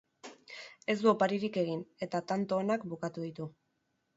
Ez du oparirik egin, eta tanto onak bukatu ditu.